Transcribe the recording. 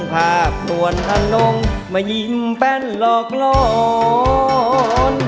ภาพนวลอารมณ์ไม่ยิ่มแป้นหลอกล้อน